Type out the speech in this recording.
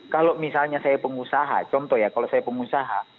kalau misalnya saya pengusaha contoh ya kalau saya pengusaha